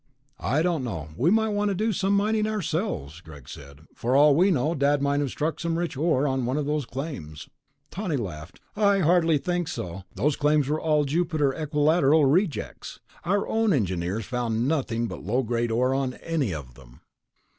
"I don't know, we might want to do some mining ourselves," Greg said. "For all we know, Dad might have struck some rich ore on one of those claims." Tawney laughed. "I hardly think so. Those claims were all Jupiter Equilateral rejects. Our own engineers found nothing but low grade ore on any of them."